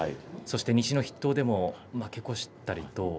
西の筆頭でも負け越したりと。